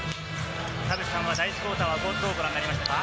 田臥さんは第１クオーター、どうご覧になりましたか？